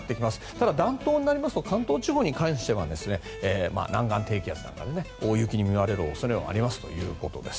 ただ、暖冬になりますと関東地方に関しては南岸低気圧などで大雪に見舞われる恐れはありますということです。